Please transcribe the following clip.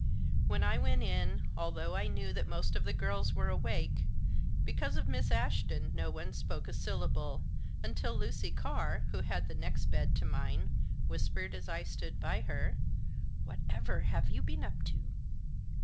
When I went in, although I knew that most of the girls Digitized by 23 THK JOSS. were awake, because of Miss Ashton no one spoke a syllable, until Lucy Carr, who had the next bed to mine, whispered as I stood by her :" Whatever have you been up to